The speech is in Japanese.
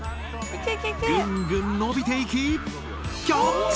ぐんぐん伸びていきキャッチ！